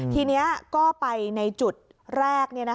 ทีนี้ก็ไปในจุดแรก